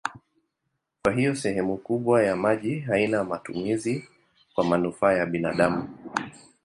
Kwa hiyo sehemu kubwa ya maji haina matumizi kwa manufaa ya binadamu.